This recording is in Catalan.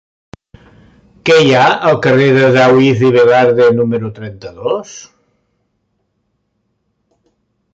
Què hi ha al carrer de Daoíz i Velarde número trenta-dos?